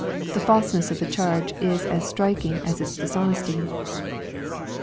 The falseness of the cliarge is as striking as its dishonesty.